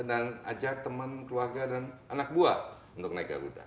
dan ajak teman keluarga dan anak buah untuk naik garuda